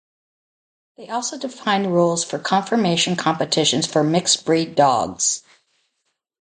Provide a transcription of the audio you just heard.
They also defined rules for conformation competitions for mixed-breed dogs.